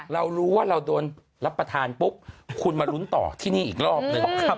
เรารู้ว่าเราโดนรับประทานปุ๊บคุณมาลุ้นต่อที่นี่อีกรอบหนึ่ง